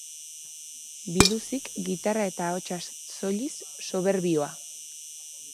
Biluzik, gitarra eta ahotsaz soilik, soberbioa.